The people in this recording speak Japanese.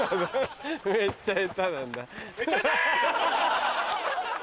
めっちゃ下手なんだ。